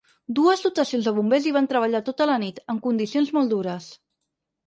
Dues dotacions dels bombers hi van treballar tota la nit, en condicions molt dures.